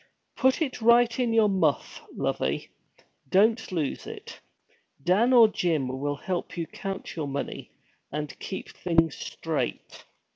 'Put it right in your muff, lovey. Don't lose it. Dan or Jim will help you count your money, and keep things straight.'